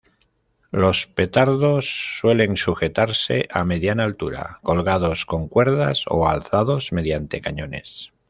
Los petardos suelen sujetarse a mediana altura colgados con cuerdas o alzados mediante cañones.